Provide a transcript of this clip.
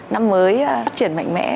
năm mới phát triển mạnh mẽ